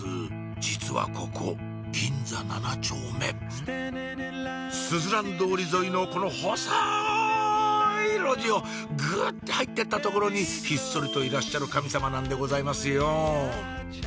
実はここ銀座７丁目すずらん通り沿いのこの細い路地をグッて入ってった所にひっそりといらっしゃる神様なんでございますよ